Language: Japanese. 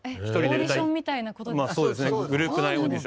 オーディションみたいなことが。